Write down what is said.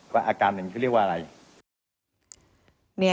ว่าอาการนั้นเขาเรียกว่าอะไร